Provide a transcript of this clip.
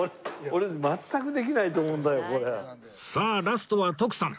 さあラストは徳さん。